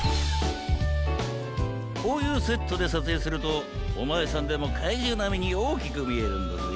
こういうセットでさつえいするとおまえさんでもかいじゅうなみにおおきくみえるんだぜ。